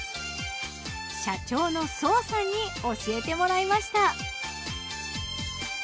社長の曽さんに教えてもらいました。